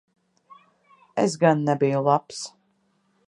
Es gan nebiju labs.